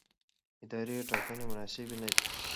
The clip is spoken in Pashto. اداري ټاکنې مناسبې نه دي.